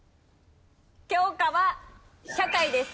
教科は社会です。